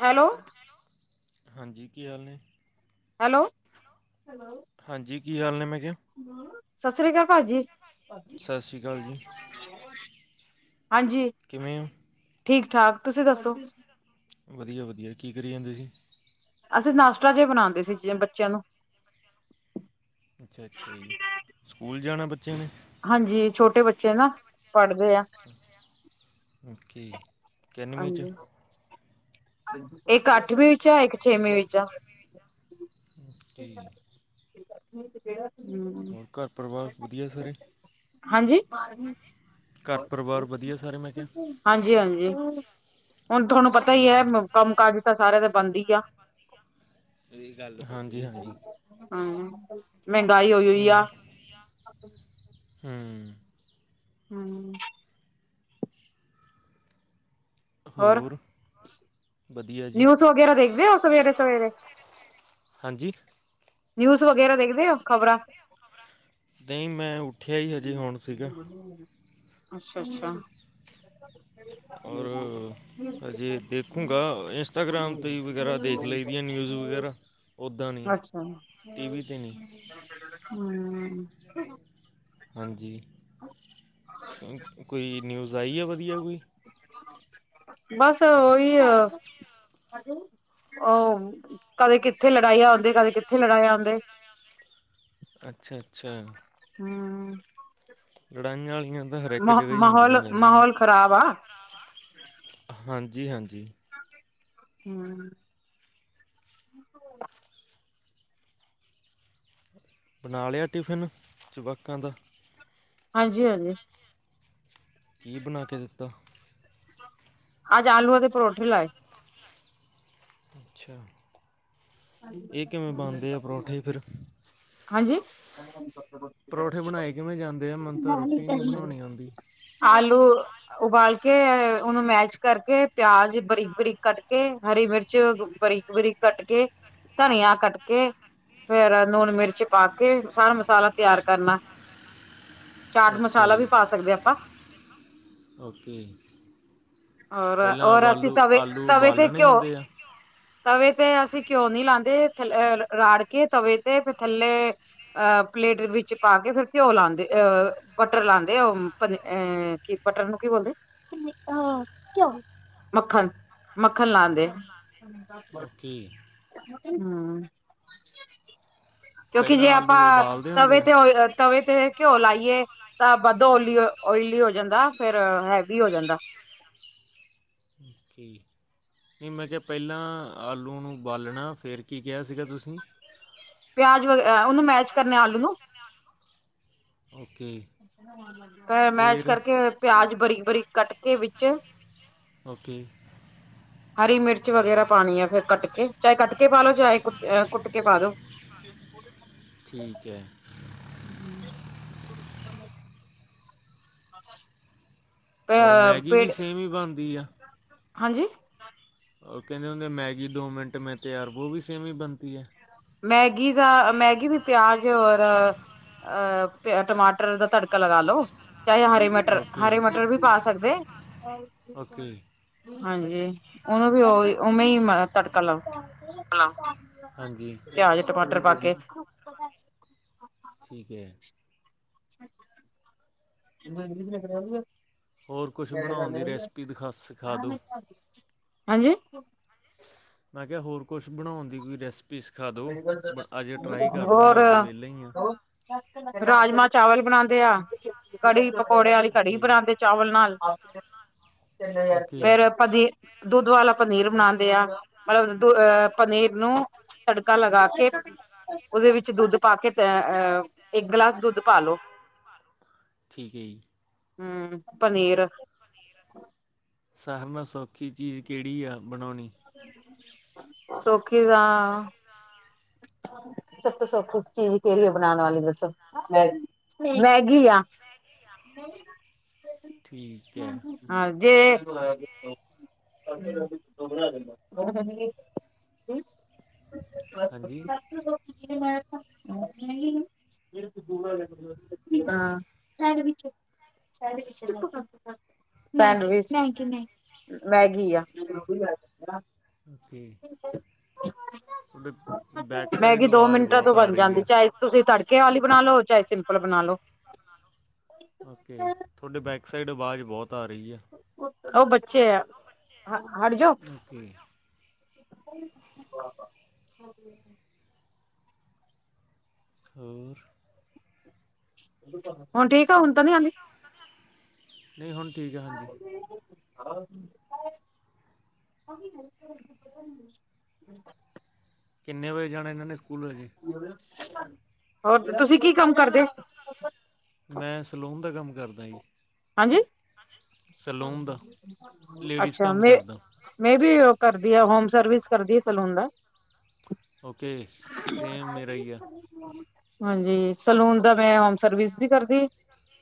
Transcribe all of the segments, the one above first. Hello ਹਾਂਜੀ ਕੀ ਹਾਲ ਨੇ। ਹੈਲੋੋ ਹਾਂਜੀ ਕੀ ਹਾਲ ਨੇ ਮੈਂ ਕਿਹਾ। ਸਤਿ ਸ੍ਰੀ ਅਕਾਲ ਭਾਜੀ। ਸਤਿ ਸ਼੍ਰੀ ਅਕਾਲ ਜੀ। ਹਾਂਜੀ। ਕਿਵੇਂ ਹੋ। ਠੀਕ ਠਾਕ ਤੁਸੀਂ ਠੀਕ ਦੱਸੋ ਆਂ। ਵਧੀਆ- ਵਧੀਆ ਕੀ ਕਰੀ ਜਾਂਦੇ ਸੀ। ਅਸੀਂ ਨਾਸ਼ਤਾ ਜਿਹ ਬਣਾਉਂਦੇ ਸੀ ਜਿਵੇ ਬੱਚਿਆਂ ਨੂੰ। ਅੱਛਾ ਅੱਛਾ ਜੀ। ਸਕੂਲ ਜਾਣਾ ਬੱਚਿਆਂ ਨੇ? ਹਾਂਜੀ, ਛੋਟੇ ਬੱਚੇ ਏ ਨਾ। ਪੜ੍ਹਦੇ ਆ। ਓਕੇ ਇਕੈਨਵੀਂ 'ਚ ਹਾਂਜੀ। ਇਹ ਅੱ ਠੀਕ ਏ। [unintelligible] ਹੋਰ ਘਰ ਪਰਿਵਾਰ ਵਧੀਆ ਸਾਰੇ? ਹਾਂਜੀ ਘਰ ਪਰਿਵਾਰ ਵਧੀਆ ਸਾਰੇ ਮੈਂ ਕਿਹਾ? ਹਾਂਜੀ ਹਾਂਜੀ। ਹੁਣ ਤੁਹਾਨੂੰ ਪਤਾ ਹੀ ਹੈ ਕੰਮ ਕਾਜ ਤਾਂ ਸਾਰੀਆਂ ਦਾ ਬੰਦ ਹੀ ਆ। ਹਾਂਜੀ ਹਾਂਜੀ ਹਮ, ਮਹਿੰਗਾਈ ਹੋੲ ਹੋਈ ਆ। ਹਮ। ਹਮ! ਹੋਰ। ਵਧੀਆ ਜੀ ਨਿਊਜ਼ ਵਗੈਰਾ ਦੇਖਦੇ ਹੋ ਸਵੇਰੇ ਸਵੇਰੇ? ਹਾਂਜੀ? ਨਿਊਜ਼ ਵਗੈਰਾ ਦੇਖਦੇ ਹੋ, ਖ਼ਬਰਾਂ? ਨਹੀਂ, ਮੈਂ ਉੱਠਿਆ ਹੀ ਹਜੇ ਹੋਣ ਸੀਗਾ। ਅੱਸਾ਼ ਅੱਸਾ਼। ਔਰ? ਹਜੇ ਦੇਖੂੰਗਾ ਇੰਸਟਾਗ੍ਰਾਮ ਤੇ ਵਗੈਰਾ ਦੇਖ ਲਈਦੀਆਂ ਨਿਊਜ਼ ਵਗੈਰਾ। ਉੱਦਾਂ ਨਹੀਂ, ਅੱਛਾ। ਟੀ ਵੀ ਤੇ ਨਹੀਂ ਹਮ ਹਾਂਜੀ। ਕੋਈ ਨਿਊਜ਼? [unintelligible] ਆ ਵਧੀਆ ਕੋਈ? ਬਸ ਉਹੀ ਆ ਉਹ! ਕ੍ਹਦੇ ਕਿੱਥੇ ਲੜਾਈਆਂ ਆਉਂਦੇ, ਕਦੇ ਕਿੱਥੇ ਲੜਾਈ ਆਉਂਦੇ ਅੱਛਾ-ਅੱਛਾ! ਹਂ ਲੜਾਈਆਂ ਆਲੀਆਂ ਤਾਂ ਹਰ ਇੱਕ ਮ ਜਗ੍ਹਾ ਹੀ ਹੁੰਦੀਆਂ ਮਾਹੌਲ ਰਹਿੰਦੀਆਂ। ਮਾਹੌਲ ਖ਼ਰਾਬ ਆ। ਹਾਂਜੀ ਹਾਂਜੀ। ਹੰ ਬਣਾ ਲਿਆ ਟਿਫਿਨ ਜੁਆਕਾਂ ਦਾ? ਹਾਂਜੀ, ਹਾਂਜੀ। ਕੀ ਬਣਾ ਕੇ ਦਿੱਤਾ? ਅਜ ਆਲੂਆਂ ਦੇ ਪਰੌਠੇ ਲਾਏ। ਅੱਛਾ, ਇਹ ਕਿਵੇਂ ਬਣਦੇ ਆ ਪਰੌਂਠੇ ਫੇਰ? ਹਾਂਜੀ? ਪਰੌਂਠੇ ਬਣਾਏ ਕਿਵੇਂ ਜਾਂਦੇ ਆ? ਮਨ ਤਾਂ ਰੋਟੀ ਨਹੀਂ ਬਣਾਉਣੀ ਆਉਂਦੀ। ਆਲੂ ਉਬਾਲ ਕੇ, ਉਹਨੂੰ ਮੈਸ਼ ਕਰਕੇ, ਪਿਆਜ ਬਰੀਕ -ਬਰੀਕ ਕੱਟ ਕੇ, ਹਰੀ ਮਿਰਚ ਬਰੀਕ ਬਰੀਕ ਕੱਟ ਕੇ ਧਨਿਆ ਕੱਟ ਕੇ ਫੇਰ ਲੂਣ ਮਿਰਚ ਪਾ ਕੇ, ਸਾਰਾ ਮਸਾਲਾ ਤਿਆਰ ਕਰਨਾ। [unintelligible] ਚਾਟ ਅੱਛਾ ਮਸਾਲਾ ਜੀ ਵੀ ਪਾ ਸਕਦੇ ਹਾਂ ਆਪਾਂ। ਓਕੇ। ਹੋਰ ਪਹਿਲਾਂ ਹੋਰ ਅਸੀਂ ਆਲੂ ਤਵੇ ਆਲੂ ਤਵੇ ਤੇ ਉਬਾਲਣੇ ਘਿਓ, ਹੁੰਦੇ ਆ ਤਵੇ ਤੇ ਅਸੀਂ ਘਿਓ ਨਹੀ ਲਾਦੇ, ਥ ਰਾੜ ਕੇ ਤਵੇ ਤੇ ਥੱਲੇ ਅ ਪਲੇਟ ਵਿੱਚ ਪਾ ਕੇ, ਫਿਰ ਘਿਓ ਲਾਂਉਦੇ ਅਹ ਬਟਰ ਲਾਉਂਦੇ ਅ ਮਤੇ ਐਂ! ਕੀ ਬਟਰ ਨੂੰ ਕੀ ਬੋਲਦੇ, ਕਿ ਮਿਠਾ ਘਿੳ ਮੱਖਣ, ਮੱਖਣ ਲਾਂਦੇ। ਕੀ? ਹਮ, ਕਿਉਂਕਿ ਪਹਿਲਾਂ ਜੇ ਆਪਾਂ, ਆਲੂ ਉਬਾਲਦੇ ਹੁੰਦੇ ਤਵੇ ਆ ਤੇ ਹੋ ਤਵੇ ਤੇ ਘਿਓ ਲਾਈਏ, ਤਾਂ ਵੱਧੋ ਓਲੀ-ਓਇਲੀ ਹੋ ਜਾਂਦਾ। ਫੇਰ ਹੈਵੀ ਹੋ ਜਾਂਦਾ। ਕੀ ਨੀ ਮੈਂ ਕਿਹਾ ਪਹਿਲਾਂ ਆਲੂ ਨੂੰ ਉਬਾਲਣਾ ਫੇਰ ਕੀ ਕਿਹਾ ਸੀਗਾ ਤੁਸੀਂ? ਪਿਆਜ ਵਗ, ਉਹਨੂੰ ਮੈਸ਼ ਕਰਨੇ ਆਲੂ ਨੂੰ [unintelligible] ਓਕੇ। ਫੇ ਮੈਸ਼ ਫਿਰ ਕਰਕੇ ਪਿਆਜ ਬਰੀਕ ਬਰੀਕ ਕੱਟ ਕੇ ਵਿੱਚ ਓਕੇ। ਹਰੀ ਮਿਰਚ ਵਗੈਰਾ ਪਾਣੀ ਆ ਫੇਰ ਕੱਟ ਕੇ ਚਾਹੇ ਕੱਟਕੇ ਪਾ ਲੋ ਚਾਹੇ ਕੁੱਟ ੲਹ ਕੁੱਟ ਕੇ ਪਾ ਦੋ। ਠੀਕ ਹੈ। ਹਮ। ਔਰ ਮੈਗੀ ਵੀ ਸੇਮ ਹੀ ਬਣਦੀ ਆ। ਹਾਂਜੀ? ਉਹ ਕਹਿੰਦੇ ਹੁੰਦੇ, ਮੈਗੀ ਦੋ ਮਿੰਟ ਮੇਂ ਤਿਆਰ, ੳਹ ਵੀ, ਸੇਮ ਹੀ ਬਣਤੀ ਹੈ। ਮੈਗੀ ਦਾ, ਮੈਗੀ ਵੀ ਪਿਆਜ ਔਰ ਅਹ ਟਮਾਟਰ ਦਾ ਤੜਕਾ ਲਗਾ ਲੋ, ਚਾਹੇ ਹਰੀ ਮਿਰ ਮਟਰ, ਓਕੇ ਹਰੇ ਮਟਰ ਵੀ ਪਾ ਸਕਦੇ। ਓਕੇ ਹਾਂਜੀ, ਉਹਨੂੰ ਵੀ, ਉਵੇਂ- ਓੁਵੇਂ ਹੀ ਤੜਕਾ ਲਾਓ। ਹਾਂਜੀ! ਪਿਆਜ, ਟਮਾਟਰ ਪਾ ਕੇ ਠੀਕ ਹੈ। ਕਰੂਗਾ ਹੋਰ ਕੁਛ ਬਣਾਉਣ ਦੀ [unintelligible] ਰੈਸਪੀ ਦਿਖਾ ਸਿਖਾ ਦਿਉ ਹਾਂਜੀ ਮੈਂ ਕਿਹਾ, ਹੋਰ ਕੁਛ ਬਣਾਉਣ ਦੀ ਕੋਈ ਰੈਸਪੀ? ਰੈਸੀਪੀ ਸਿਖਾ ਦੋ, ਅਜ ਟਰਾਈ ਕਰ ਲੂੰਗਾ, ਅੱਜ ਵੇਹਲਾ ਹੀ ਆ। ਰਾਜਮਾਂਹ, ਚਾਵਲ ਬਣਾਉਂਦੇ ਆ। ਕੜੀ, ਪਕੌੜੇ ਵਾਲੀ ਅੱਛਾ ਕੜੀ, ਜੀ ਬਣਾਉਂਦੇ ਚਾਵਲ ਨਾਲ ਓਕੇ ਫੇਰ ਆਪਾਂ ਦੀ ਦੁੱਧ ਵਾਲਾ ਪਨੀਰ ਬਣਾਉਂਦੇ ਆ, ਮਤਲਬ ਦੁ, ਅਹ ਪਨੀਰ ਨੂੰ ਤੜਕਾ ਲਗਾ ਕੇ, ਉਹਦੇ ਵਿੱਚ ਦੁੱਧ ਪਾ ਕੇ ਤੇ ਅਹ, ਇੱਕ ਗਲਾਸ ਦੁੱਧ ਪਾ ਲਓ। ਠੀਕ ਹੈ ਜੀ ਹਮ, ਪਨੀਰ ਸਭ ਮੈਂ ਸੌਖੀ ਚੀਜ਼ ਕਿਹੜੀ ਆ ਬਣਾਉਣੀ? [unintelligible] ਸਭ ਤੋਂ ਸੌਖੀ ਚੀਜ਼ ਕਿਹੜੀ ਹੈ ਬਣਾਉਣ ਵਾਲੀ ਦੱਸੋ? ਮੈਗੀ ਆ। ਠੀਕ ਹੈ। ਹਾਂ, ਜੇ ਦ [unintelligible] ਹਾਂਜੀ? [unintelligible] ਹਾਂ ਮੈਗੀ ਆ। ਓਕੇ। [inaudible] [unintelligible] ਮੈਗੀ ਦੋ ਆਵਾਜ਼ ਮਿੰਟਾਂ ਤੋ ਬਹੁਤ ਆ ਬਣ ਰਹੀ ਜਾਂਦੀ। ਆ ਚਾਹੇ ਤੁਸੀਂ ਤੜਕੇ ਵਾਲੀ ਬਣਾ ਲਓ, ਚਾਹੇ ਸਿੰਪਲ ਬਣਾ ਲੳ। ਓਕੇ, ਤੁਹਾਡੇ ਬੈਕ ਸਾਈਡ ਆਵਾਜ਼ ਬਹੁਤ ਆ ਰਹੀ ਆ। ਉਹ ਬੱਚੇ, ਹਾ ਹਟਜੋ ਕਿ [inaudible] ਹਾਂਜੀ-ਹਾਂਜੀ ਹੋਰ? ਹੁਣ ਠੀਕ ਆ, ਹੁਣ ਤਾਂ ਨੀ ਆਉਦੀ। ਨਹੀਂ ਹੁਣ ਠੀਕ ਹੈ। [unintelligible] ਆਹ ਕਿੰਨੇ ਵਜੇ ਜਾਣਾ ਇਹਨਾਂ ਨੇ ਸਕੂਲ ਹਜੇ? ਹੋਰ ਤੁਸੀਂ ਕੀ ਕੰਮ ਕਰਦੇ। ਮੈਂ ਸਲੂਨ ਦਾ ਕੰਮ ਕਰਦਾ ਜੀ। ਹਾਂਜੀ ਹਾਜੀ? ਅੱਛਾ। ਕੰਮ ਮੈਂਰ ਕਰਦਾ ਮੈੰ ਵੀ ਉਹ ਕਰਦੀ ਹੈ। ਹੋਮ ਸਰਵਿਸ ਕਰਦੀ ਹੈ ਸਲੂਨ ਦਾ ਓਕੇ। ਸੇਮ ਮੇਰਾ ਹੀ ਆ। ਹਾਂਜੀ। ਸਲੂਨ ਦਾ ਮੈਂ ਹੋਮ ਸਰਵਿਸ ਵੀ ਕਰਦੀ।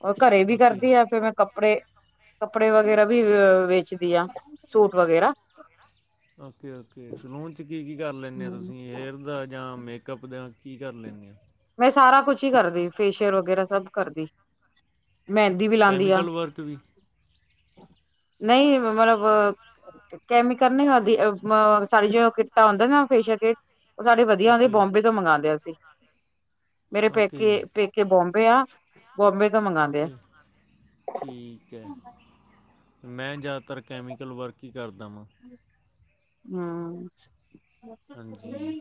ਉਹ ਘਰੇ ਵੀ ਓਕੇ ਕਰਦੀ ਆ, ਫੇਰ ਮੈਂ ਕੱਪੜੇ ਕੱਪੜੇ ਵਗੈਰਾ ਵੀ ਵੇਚਦੀ ਆ, ਸੂਟ ਵਗੈਰਾ। ਓਕੇ- ਓਕੇ ਸਲੂਨ 'ਚ ਕੀ -ਕੀ ਕਰ ਲੈਂਦੇ ਆ ਤੁਸੀਂ? ਹੇਅਰ ਦਾ ਜਾਂ ਮੇਕਅਪ ਦਾ, ਕੀ ਕਰ ਲੈਂਦੇ ਹਾਂ। ਮੈਂ ਸਾਰਾ ਕੁਛ ਹੀ ਕਰਦੀ, ਫੇਸ਼ੀਅਲ ਵਗੈਰਾ ਸਭ ਕਰਦੀ। ਮਹਿੰਦੀ ਵੀ ਲਾਉਂਦੀ ਆ। ਕੈਮੀਕਲ ਵਰਕ ਵੀ ਨਹੀਂ, ਮਤਲਬ ਕੈਮੀਕਲ ਨਹੀਂ ਹੁੰਦੀ ਉਸ ਮੇਂ ਸਾਡੀਆਂ ਜਿਹੜੀਆਂ ਕਿੱਟਾ ਆਉਦੀਆਂ ਨਾ, ਫੇਸ਼ੀਅਲ ਕਿਟ। ਉਹ ਸਾਡੀ ਵਧੀਆ ਹੁੰਦੇ, ਓਕੇ ਬੋਂਬੰਏ ਤੋਂ ਮੰਗਗਾਉਂਦੇ ਅਸੀਂ। ਮੇਰੇ ਓਕੇ ਪੇਕੇ-ਪੇਕੇ ਬੋਬੰਏ ਆ। ਬੋਬੰਏ ਤੋਂ ਮੰਗਵਾਉਂਦੇ ਆ। ਓਕੇ ਠੀਕ ਐ। ਮੈਂ ਜ਼ਿਆਦਾਤਰ ਕੈਮੀਕਲ ਵਰਕ ਹੀ ਕਰਦਾ ਵਾਂ। ਹਮ ਹਾਂਜੀ।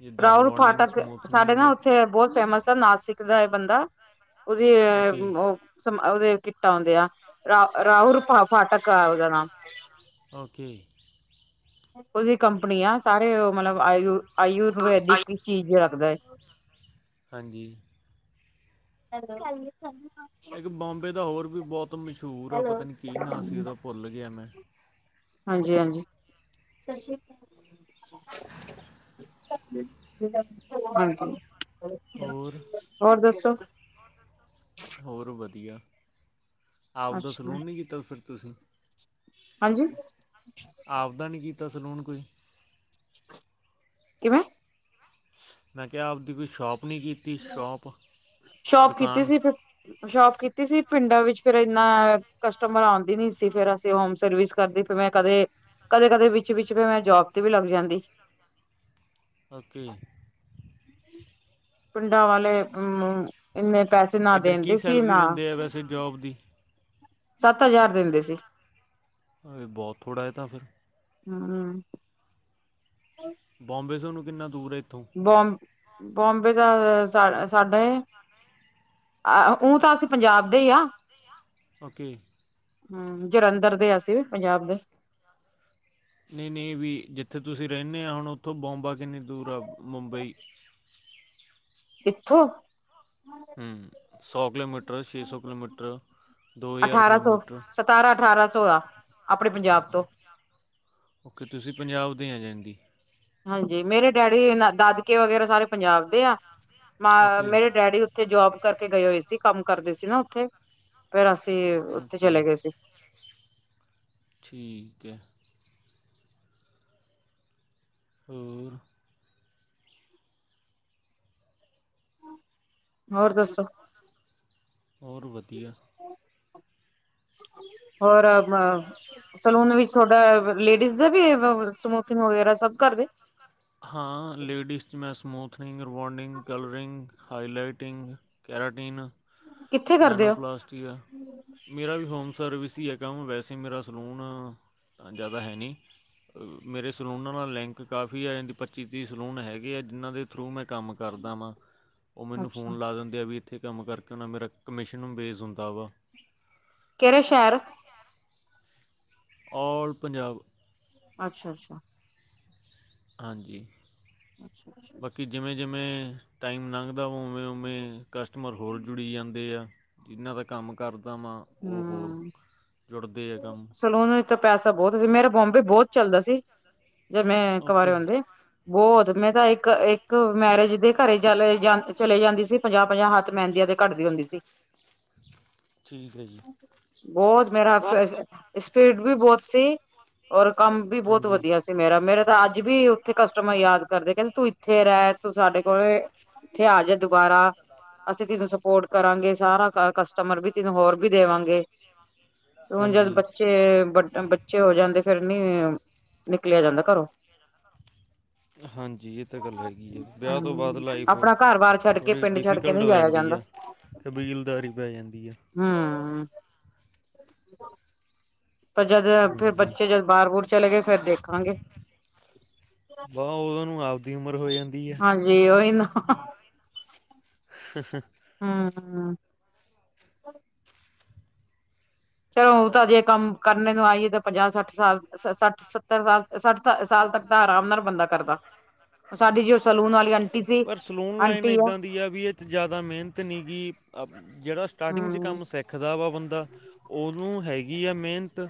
ਜਿੱਦਾਂ ਰਾਹੁਲ ਰਵਾਰਨਿੰਗ ਫਾਟਕ। ਸਾਡੇ ਸਮੂਥਨਿੰਗ ਨਾ ਉੱਥੇ, ਬਹੁਤ ਫੇਮਸ ਆ ਨਾਸਿਕ ਰਾਏ ਬੰਦਾ, ਉਹਦੀ ਓਕੇ ਉਹ, ਸਮ ਉਹਦੇ ਕਿੱਟਾ ਆਉਂਦੀਆ। ਉਹਦਾ ਨਾਮ [unintelligible] ਓਕੇ। ਉਹਦੀ ਕੰਪਨੀ ਆ ਸਾਰੇ ਉਹ ਮਤਲਬ ਆਯ ਆਯੁਰਵੈਦਿਕ ਚੀਜ਼ ਰੱਖਦਾ ਹੈ। ਹਾਂਜੀ [unintelligible] ਇੱਕ ਬੰਬੇ ਦਾ ਹੋਰ ਵੀ ਬਹੁਤ ਮਸ਼ਹੂਰ ਆ, ਪਤਾ ਨੀ ਕੀ ਨਾਂ ਸੀ? ਉਹਦਾ ਭੁੱਲ ਗਿਆ ਮੈਂ। ਹਾਂਜੀ-ਹਾਂਜੀ। [unintelligible] ਬਿਲ [unintelligible] ਹੋਰ- ਹੋਰ ਵਧੀਆ। ਆਪਦਾ ਅੱਛਾ ਸਲੂਨ ਨਹੀਂ ਕੀਤਾ? ਫਿਰ ਤੁਸੀਂ ਹਾਂਜੀ ਆਪਦਾ ਨਹੀਂ ਕੀਤਾ ਸਲੂਨ ਕੋਈ। ਕਿਵੇਂ? ਮੈਂ ਕਿਹਾ ਆਪਦੀ ਕੋਈ, ਸ਼ੋਪ ਨਹੀਂ ਕੀਤੀ ਸ਼ੋਪ? ਸ਼ੋਪ ਕੀਤੀ ਦੁਕਾਨ। ਸੀ ਸ਼ੋਪ ਕੀਤੀ ਸੀ। ਪਿੰਡਾਂ ਵਿੱਚ ਫਿਰ ਇਨਾ ਕਸਟਮਰ ਆਉਂਦੀ ਨੀ ਸੀ। ਫਿਰ ਅਸੀਂ ਹੋਮ ਸਰਵਿਸ ਕਰਦੀ ਫ, ਮੈਂ ਕਦੇ-ਕਦੇ ਕਦੇ ਵਿੱਚ-ਵਿਚ ਮੈਂ ਜੋਬ ਤੇ ਵੀ ਲੱਗ ਜਾਂਦੀ। ਓਕੇੇ ਪਿੰਡਾਂ ਵਲ ਇਨੇ ਪੈਸੇ ਨਾ ਇੱਧਰ ਕੀ ਦਿੰਦੇ ਸੀ, ਸੈਲਰੀ ਨਾ ਦਿੰਦੇ ਆ ਵੈਸੇ ਜੋਬ ਦੀ ਸੱਤ ਹਜ਼ਾਰ ਦਿੰਦੇ ਸੀ। ਹਾਏ ਬਹੁਤ ਥੋੜ੍ਹਾ ਐ ਤਾਂ ਫਿਰ। ਹਮ ਬੋਂਬੇ ਸਾਨੂੰ ਕਿੰਨਾ ਦੂਰ ਇੱਥੋਂ? ਬੌਂਬ, ਬੌਂਬੇ ਦਾ ਸਾ ਐ ਸਾਡੇ। ਅ ਊ ਤਾਂ ਅਸੀਂ ਪੰਜਾਬ ਦੇ ਆ। ਓਕੇ। ਹਮ, ਜਲੰਧਰ ਦੇ ਆਸੀ ਵੀ, ਪੰਜਾਬ ਦੇ ਨਹੀਂ, ਨਹੀਂ ਵੀ ਜਿੱਥੇ ਤੁਸੀਂ ਰਹਿੰਣੇ ਆ, ਹੁਣ ਉੱਥੋਂ ਬੋਂਬਾ ਕਿੰਨੀ ਦੂਰ ਆ? ਮੁੰਬਈ। ਇੱਥੋਂ ਸੌ ਕਿਲੋਮੀਟਰ ਛੇ ਸੌ ਕਿਲੋਮੀਟਰ ਦੋ ਹਜ਼ਾਰ ਅਠਾਰਾਂ ਸੌ ਕਿਲੋਮੀਟਰ। ਸਤਾਰਾਂ ਅਠਾਰਾਂ ਸੌ ਆ। ਆਪਣੇ ਪੰਜਾਬ ਤੋਂ। ਓਕੇਤੁਸੀਂ ਪੰਜਾਬ ਦੇ ਆ ਜਾਂਦੀ। ਹਾਂਜੀ। ਮੇਰੇ ਡੈਡੀ ਦਾਦਕੇ ਵਗੈਰਾ, ਸਾਰੇ ਪੰਜਾਬ ਦੇ ਆ, ਮ ਓਕੇ ਮੇਰੇ ਡੈਡੀ ਉਥੇ ਜੋਬ ਕਰਕੇ ਗਏ ਹੋਏ ਸੀ, ਕੰਮ ਕਰਦੇ ਸੀ ਨਾ ਉੱਥੇ। ਫ਼ੇਰ ਅਸੀਂ ਉੱਥੇ ਓਕੇ ਚਲੇ ਗਏ ਸੀ। ਠੀਕ ਹੈ। ਹੋਰ ਹੋਰ ਦੱਸੋ? ਹੋਰ ਵਧੀਆ। ਹੋਰ [unintelligible] ਸਲੂਨ ਵੀ ਥੋਡਾ ਲੇਡੀਜ਼ ਦੇ ਵੀ ਸਮੂਥਿੰਗ ਵਗੈਰਾ, ਸਭ ਕਰਦੇ? ਹਾਂ ਲੇਡੀਜ਼ 'ਚ ਮੈਂ smoothening, rebonding, colouring, highlighting keratin, ਕਿੱਥੇ ਕਰਦੇ ਨੈਨੋ ਹੋ ਪਲਾਸਟਿਕ ਮੇਰਾ ਵੀ ਹੋਮ ਸਰਵਿਸ ਹੀ ਹੈ ਕੰਮ, ਵੈਸੇ ਮੇਰਾ ਸਲੂਨ ਆ ਤਾਂ ਜ਼ਿਆਦਾ ਹੈ ਨਹੀਂ। ਮੇਰੇ ਸਲੂਨਾਂ ਨਾਲ ਲਿੰਕ ਕਾਫੀ ਆ, ਇੰਜ ਪੱਚੀ-ਤੀਹ ਸਲੂਨ ਹੈਗੇ ਆ, ਜਿਨ੍ਹਾਂ ਦੇ ਥਰੂ ਮੈਂ ਕੰਮ ਕਰਦਾ ਵਾ। ਉਹ ਮੈਨੂੰ ਅੱਛਾ ਫੋਨ ਲਾ ਦਿੰਦੇ ਆ ਵੀ ਇੱਥੇ ਕੰਮ ਕਰਕੇ ਆਣਾ, ਮੇਰਾ ਕਮਿਸ਼ਨ ਬੇਸ ਹੁੰਦਾ ਵਾ। ਕਿਹੜੇ ਸ਼ਹਿਰ? ਔਲ ਪੰਜਾਬ। ਅੱਛਾ-ਅੱਛਾ। ਹਾਂਜੀ। ਅੱਛਾ ਅੱਛਾ ਬਾਕੀ ਜਿਵੇਂ-ਜਿਵੇਂ ਟਾਈਮ ਲੰਘਦਾ, ਵਾ ਉਵੇਂ-ਉਵੇਂ ਕਸਟਮਰ ਹੋਰ ਜੁੜੀ ਜਾਂਦੇ ਆ। ਜਿਹਨ੍ਹਾਂ ਦਾ ਕੰਮ ਕਰਦਾ ਵਾ, ਉਹ ਹੋਰ ਹਮ ਜੁੜਦੇ ਆ ਕੰਮ ਸਲੂਨ ਵਿਚ ਤਾਂ ਪੈਸਾ ਬੋਤ ਸੀ ਮੇਰਾ ਬੋਬੇ ਬੋਤ ਚੱਲਦਾ ਸੀ ਮੈ ਕਵਾਰੇ ਓਕੇ ਹੁੰਦੇ। ਬੋਤ ਮੈਂ ਤਾਂ ਇੱਕ-ਇੱਕ ਮੈਰਿਜ ਦੇ ਘਰੇ ਚ ਜਾਂਣ ਤੇ ਚਲੇ ਜਾਂਦੀ ਸੀ। ਪੰਜਾਹ-ਪੰਜਾਹ ਹੱਥ ਮਹਿੰਦੀ ਤੇ ਘੱਟਦੀ ਹੁੰਦੀ ਸੀ। ਠੀਕ ਐ ਜੀ। ਬਹੁਤ ਮੇਰਾ, ਸਪੀਡ ਵੀ ਬੋਤ ਸੀ। ਔਰ ਕੰਮ ਵੀ ਬੋਤ ਹਾਂਜੀ ਵਧੀਆ ਸੀ ਮੇਰਾ, ਮੇਰਾ ਤਾਂ ਅੱਜ ਵੀ ਓਥੇ ਕਸਟਮਰ ਯਾਦ ਕਰਦੇ ਕਹਿੰਦੇ ਤੂੰ ਇ ਇਥੇ ਰਹਿ ਤੂੰ ਸਾਡੇ ਕੋਲ ਏਥੇ ਆਜਾ ਦੁਬਾਰਾ ਅਸੀ ਤੈਨੂੰ ਸਪੋਰਟ ਕਰਾਗੇ ਸਾਰਾ। ਕਸਟਮਰ ਵੀ ਤਿੰਨੂ ਹੋਰ ਵੀ ਦੇਵਾਂਗੇ। ਹੁਣ ਜਦ ਹਾਂਜੀ ਬੱਚੇ ਵੱਡ ਪੀਛੇ ਹੋ ਜਾਂਦੇ। ਫੇਰ ਨੀ ਨਿਕਲਿਆ ਜਾਂਦਾ ਘਰੋਂ। ਹਾਂਜੀ ਇਹ ਤਾਂ ਗੱਲ ਹੈਗੀ ਆ। ਵਿਆਹ ਤੋਂ ਬਾਅਦ ਲਾਈਫ ਆਪਣਾ ਘਰ ਬਾਰ ਛੱਡ ਕੇ ਥੋੜ੍ਹੀ ਪਿੰਡ ਛੱਡ ਕੇ ਡਿਫੀਕਲਟ ਨਹੀਂ ਹੋ ਜਾਇਆ ਜਾਂਦੀ ਜਾਂਦਾ ਐ। ਕਬੀਲਦਾਰੀ ਪੈ ਜਾਂਦੀ ਆ। ਹੂੰ। [inaudible] ਪਰ ਜੱਦ ਆਪੇ ਹਾਂਜੀ ਬੱਚੇ ਜੱਦ ਬਾਹਰ- ਬੂਹਰ ਚਲੇ ਗਏ ਫੇਰ ਦੇਖਾਂਗੇ। ਬਾਹ ਓਦੋਂ ਨੂੰ ਆਵਦੀ ਉਮਰ ਹੋ ਜਾਂਦੀ ਐ। ਹਾਂਜੀ। ਓਹੀ ਨਾ [inaudible] ਹੂੰ-ਹੂੰ। ਚਲੋ ਊਤਾਂ ਜੇ ਕੰਮ ਕਰਨੇ ਨੂੰ ਆਈਏ ਤਾਂ ਪੰਜਾਹ-ਸੱਠ ਸਾਲ, ਸੱਠ-ਸੱਤਰ ਸਾਲ, ਸੱਠ ਸਾਲ ਤੱਕ ਤਾਂ ਆਰਾਮ ਨਾਲ ਬੰਦਾ ਕਰਦਾ। ਸਾਡੀ ਜੋ ਸੈਲੂਨ ਵਾਲੀ ਆਂਟੀ ਸੀ। ਪਰ ਸਲੂਨ ਲਾਈਨ ਆਂਟੀ ਹੁਣ ਇੱਦਾਂ ਦੀ ਆ ਵੀ ਇਹ ਜ਼ਿਆਦਾ ਮੇਅਨਤ ਨਈ ਗੀ ਜੇੜਾ ਸਟਾਰਟਿੰਗ 'ਚ ਹਮ ਕੰਮ ਸਿੱਖਦਾ ਵਾ ਬੰਦਾ ਓਨੂੰ ਹੈਗੀ ਆ ਮੇਹਨਤ।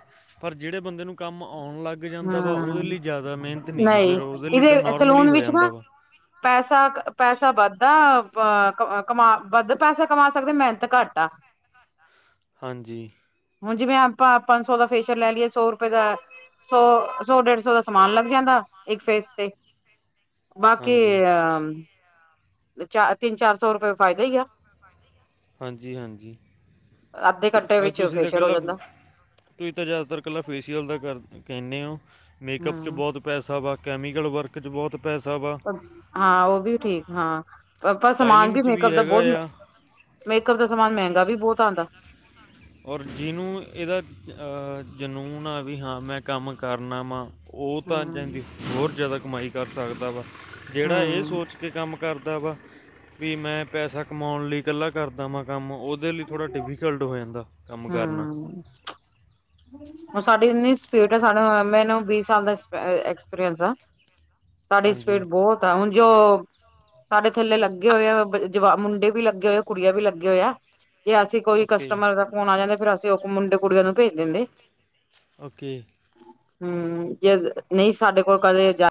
ਜੇੜੇ ਬੰਦੇ ਨੂੰ ਕੰਮ ਆਉਣ ਲੱਗ ਜਾਂਦਾ ਵਾ ਉਹਦੇ ਲਈ ਜ਼ਿਆਦਾ ਮਿਹਨਤ ਹੂੰ ਨਹੀਂ ਗੀ ਨਈ ਫਿਰ ਉਹਦੇ ਲਈ ਇਦੇ ਤਾਂ ਨੋਰਮਲ ਹੀ ਸਲੂਨ ਹੋ ਵਿੱਚ ਨਾ ਜਾਂਦਾ ਵਾ ਪੈਸਾ-ਪੈਸਾ ਵੱਧਦਾ ਅ ਕਮਾ ਵੱਧ ਪੈਸਾ ਕਮਾ ਸਕਦੇ ਮਿਹਨਤ ਘੱਟ [inaudible] ਹਾਂਜੀ। ਹੁਣ ਜਿਵੇਂ ਆਪਾਂ ਪੰਜ ਸੌ ਦਾ ਫੇਸ਼ੀਅਲ ਲੈ ਲਈਏ ਸੌ ਰੁਪਏ ਦਾ ਸੌ-ਸੌ ਡੇਢ ਸੌ ਦਾ ਸਮਾਨ ਲੱਗ ਜਾਂਦਾ ਇੱਕ ਫੇਸ ਤੇ। ਬਾਕੀ ਹਾਂਜੀ ਅ ਚਾਰ ਤਿੰਨ, ਚਾਰ ਸੌ ਰੁਪਏ ਫਾਇਦਾ ਹੀ ਆ ਹਾਂਜੀ-ਹਾਂਜੀ। ਅੱਧੇ ਘੰਟੇ ਭ ਵਿੱਚ ਤੁਸੀਂ ਤਾਂ ਫੇਸ਼ੀਅਲ ਹੋ ਕੱਲਾ ਜਾਂਦਾ ਤੁਸੀਂ ਤਾਂ ਜ਼ਿਆਦਾਤਰ ਇਕੱਲਾ ਫੇਸੀਅਲ ਦਾ ਕਰ ਕੇਨੇ ਓ ਮੇਕਅੱਪ 'ਚ ਹੂੰ, ਬਹੁਤ ਪੈਸਾ ਵਾ ਕੈਮੀਕਲ ਵਰਕ ਚ ਬੋਤ ਪੈਸਾ ਵਾ। ਪਰ ਹਾਂ ਓ ਵੀ ਠੀਕ ਹਾਂ ਆਪਾ ਸਮਾਨ ਸਟਾਈਲਿੰਗ ਵੀ 'ਚ ਮੇਕਅਪ ਦਾ ਹੈਗਾ ਬਹੁਤ ਆ ਮੇਕਅਪ ਦਾ ਸਮਾਨ ਮਹਿੰਗਾ ਵੀ ਬੋਤ ਆਦਾਂ। ਔਰ ਜਿਨੂੰ ਇਹਦਾ ਜਨੂੰਨ ਆ ਵੀ ਹਾਂ ਮੈਂ ਕੰਮ ਕਰਨਾ ਵਾ ਓ ਤਾਂ ਹੂੰ, ਜਾਂਦੀ ਹੋਰ ਜ਼ਿਆਦਾ ਕਮਾਈ ਕਰ ਸਕਦਾ ਵਾ ਜਿਹੜਾ ਇਹ ਹੂੰ, ਸੋਚ ਕੇ ਕੰਮ ਕਰਦਾ ਵਾ ਵੀ ਮੈਂ ਪੈਸਾ ਕਮਾਉਣ ਲਈ ਇਕੱਲਾ ਕਰਦਾ ਵਾ ਕੰਮ ਓ ਓਦੇ ਲਈ ਥੋੜ੍ਹਾ ਡਿਫੀਕਲਟ ਹੋ ਜਾਂਦਾ ਕੰਮ ਕਰਨਾ। ਹੂੰ। ਸਾਡੀ ਏਨੀ ਸਪੀਡ ਆ ਮੈਨੂੰ ਵੀਹ ਸਾਲ ਦਾ ਅਕਸਪੀਰਸ ਐ। ਸਾਡੀ ਹਾਂਜੀ ਸਪੀਡ ਬੋਤ ਆ ਹੁਣ ਜੋ ਸਾਡੇ ਥੱਲੇ ਲੱਗੇ ਹੋਏ ਆ ਜਵਾ ਮੁੰਡੇ ਵੀ ਲੱਗੇ ਹੋਏ ਕੁੜੀਆਂ ਵੀ ਲੱਗੇ ਹੋਏ ਆ ਜੇ ਅਸੀਂ ਕੋਈ ਓਕੇ ਕਸਟਮਰ ਦਾ ਫੋਨ ਆ ਜਾਂਦੇ ਫੇਰ ਅਸੀਂ ਓ ਮੁੰਡੇ-ਕੁੜੀਆਂ ਨੂੰ ਭੇਜ ਦਿੰਦੇ। ਓਕੇ ਹੂੰ, ਜ ਨਈ ਸਾਡੇ ਕੋਲ ਕਦੇ ਜਾ